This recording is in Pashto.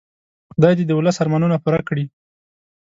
خدای دې د ولس ارمانونه پوره کړي.